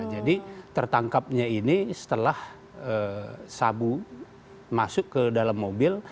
jadi tertangkapnya ini setelah sabu masuk ke dalam mobil